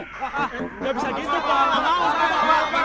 gak bisa gitu pak